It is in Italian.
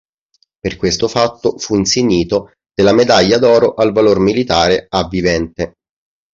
Per questo fatto fu insignito della Medaglia d'oro al valor militare a vivente.